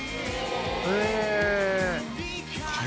へえ。